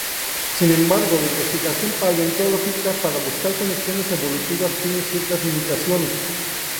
Sin embargo, la investigación paleontológica para buscar conexiones evolutivas tiene ciertas limitaciones.